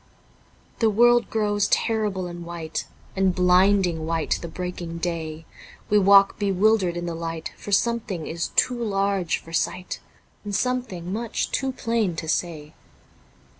The world grows terrible and white. And blinding white the breaking day, We walk bewildered in the light, For something is too large for sight. And something much too plain to say.